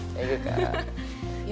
sama domat ya